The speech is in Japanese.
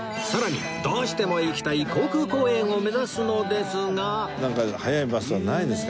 さらにどうしても行きたい航空公園を目指すのですが